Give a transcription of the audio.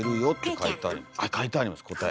書いてあります答え。